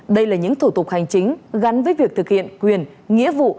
đây là những thủ tục hành chính gắn với việc thực hiện quyền nghĩa vụ